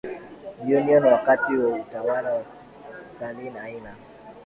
Union wakati wa utawala wa Stalin Aina